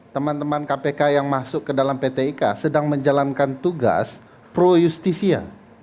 teman teman kpk yang masuk ke dalam pt ika sedang menjalankan tugas pro justisia